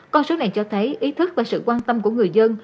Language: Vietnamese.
con số này cho thấy ý thức và sự quan tâm của người dân